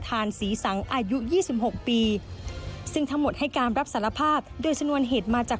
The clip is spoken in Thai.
ทำไมถึงได้ไปต่อยเขาว่ะครับ